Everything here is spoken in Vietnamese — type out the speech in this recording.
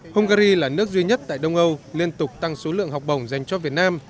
hungary là nước duy nhất tại đông âu liên tục tăng số lượng học bổng dành cho việt nam